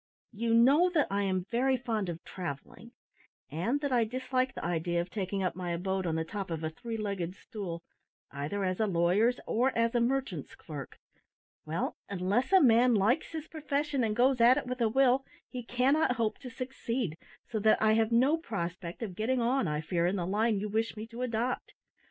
You know that I am very fond of travelling, and that I dislike the idea of taking up my abode on the top of a three legged stool, either as a lawyer's or a merchant's clerk. Well, unless a man likes his profession, and goes at it with a will, he cannot hope to succeed, so that I have no prospect of getting on, I fear, in the line you wish me to adopt.